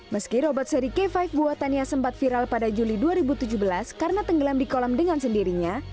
meski robot seri k lima buatannya sempat viral pada juli dua ribu tujuh belas karena tenggelam di kolam dengan sendirinya